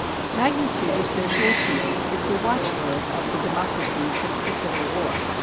Magnitude of social achievement is the watchword of the democracy since the Civil War.